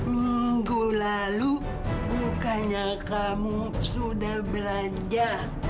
minggu lalu bukannya kamu sudah belanja